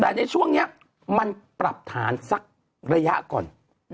แต่ในช่วงนี้มันปรับฐานสักระยะก่อน